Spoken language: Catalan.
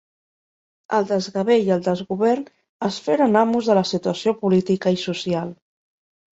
El desgavell i el desgovern es feren amos de la situació política i social.